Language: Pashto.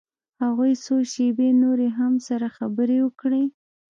هغوى څو شېبې نورې هم سره خبرې وکړې.